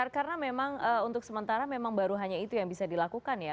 karena memang untuk sementara baru hanya itu yang bisa dilakukan ya